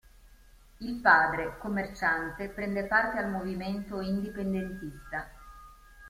Il padre, commerciante, prende parte al movimento indipendentista.